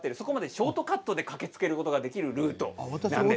ショートカットで駆け抜けることができるルート。